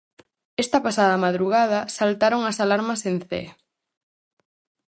Esta pasada madrugada saltaron as alarmas en Cee.